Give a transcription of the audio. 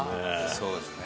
そうですね。